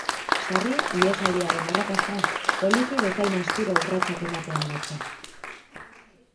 Sarri, ihesaldiaren arrakasta, poliki bezain astiro urratsak ematean datza.